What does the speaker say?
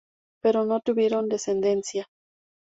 Pero no tuvieron descendencia.